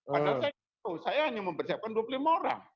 pada saat itu saya hanya mempersiapkan dua puluh lima orang